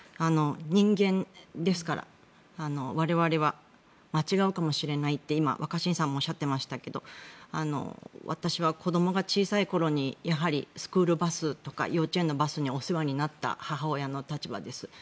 人間ですから我々は間違うかもしれないって今、若新さんもおっしゃってましたけど私は子どもが小さい頃にやはり、スクールバスとか幼稚園のバスにお世話になった母親の立場です。